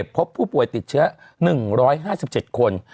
พบผู้ป่วยติดเชื้อ๑๕๗คน